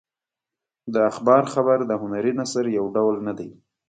د اخبار خبر د هنري نثر یو ډول نه دی.